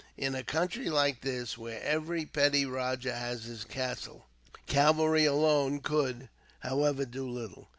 In a country like this, where every petty rajah has his castle, cavalry alone could, however, do little.